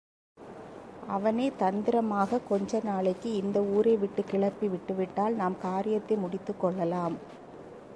அவனைத் தந்திரமாகக் கொஞ்ச நாளைக்கு இந்த ஊரை விட்டுக் கிளப்பி விட்டுவிட்டால் நம் காரியத்தை முடித்துக்கொள்ளலாம்.